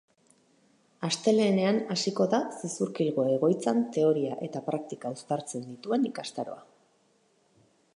Astelehenean hasiko da Zizurkilgo egoitzan teoria eta praktika uztartzen dituen ikastaroa.